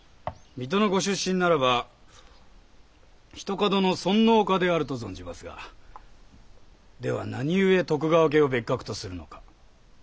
水戸のご出身ならばひとかどの尊王家であると存じますがでは何故徳川家を別格とするのか？